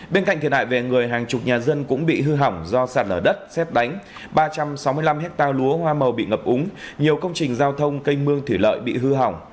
bên cạnh thiệt hại về người hàng chục nhà dân cũng bị hư hỏng do sạt lở đất xét đánh ba trăm sáu mươi năm hectare lúa hoa màu bị ngập úng nhiều công trình giao thông canh mương thủy lợi bị hư hỏng